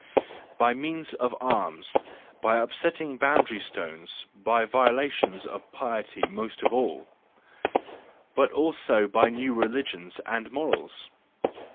By means of arms, by upsetting boundary stones, by violations of piety most of all: but also by new religions and morals!